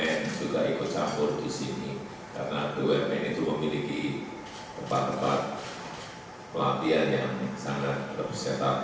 bumn juga ikut campur di sini karena bumn itu memiliki tempat tempat pelatihan yang sangat berkesetan